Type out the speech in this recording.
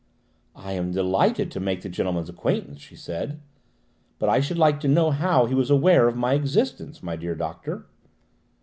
"I am delighted to make the gentleman's acquaintance," she said, "but I should like to know how he was aware of my existence, my dear doctor."